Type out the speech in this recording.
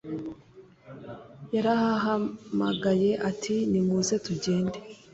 yarabahamagaye ati nimuze tugende